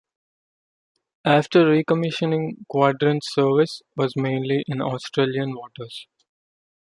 After recommissioning, "Quadrant"s service was mainly in Australian waters.